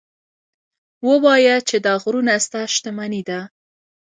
ووایه چې دا غرونه ستا شتمني ده.